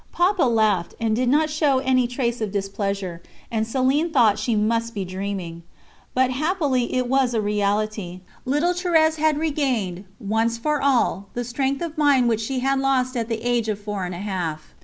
Papa laughed, and did not show any trace of displeasure, and Céline thought she must be dreaming. But happily it was a reality; little Thérèse had regained, once for all, the strength of mind which she had lost at the age of four and a half.